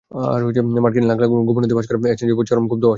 মার্কিন লাখ লাখ গোপন নথি ফাঁস করায় অ্যাসাঞ্জের ওপর চরম ক্ষুব্ধ ওয়াশিংটন।